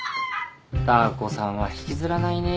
ダー子さんは引きずらないねぇ。